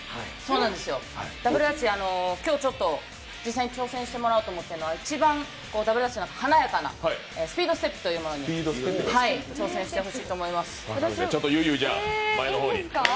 今日、実際に挑戦してもらおうと思ってるのは一番ダブルダッチの華やかなスピードステップというものに挑戦してほしいと思います。